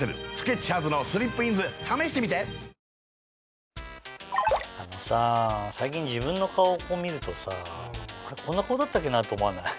来週であのさぁ最近自分の顔をこう見るとさこんな顔だったっけな？と思わない？